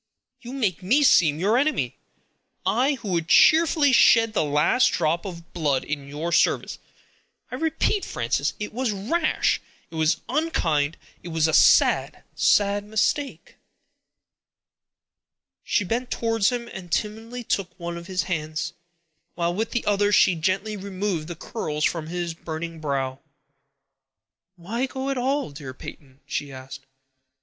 You make me seem your enemy; I, who would cheerfully shed the last drop of blood in your service. I repeat, Frances, it was rash; it was unkind; it was a sad, sad mistake." She bent towards him and timidly took one of his hands, while with the other she gently removed the curls from his burning brow. "Why go at all, dear Peyton?" she asked.